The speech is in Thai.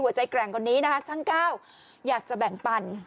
แกร่งคนนี้นะคะช่างก้าวอยากจะแบ่งปัน